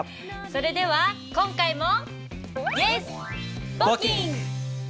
それでは今回も。